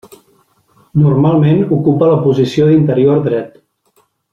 Normalment ocupa la posició d'interior dret.